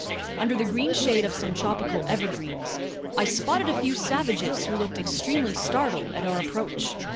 Under the green shade of some tropical evergreens, I spotted a few savages who looked extremely startled at our approach.